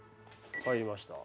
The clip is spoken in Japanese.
入りました。